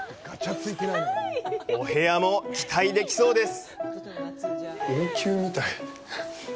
お部屋も期待できそうです！